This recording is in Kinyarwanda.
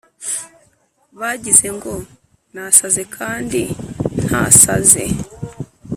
Bagize ngo nasaze kandi ntasaze